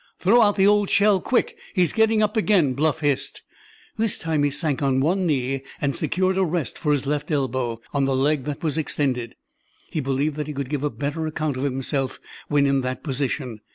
"Throw out the old shell—quick, he's getting up again!" Bluff hissed. This time he sank on one knee, and secured a rest for his left elbow on the leg that was extended. He believed that he could give a better account of himself when in that position.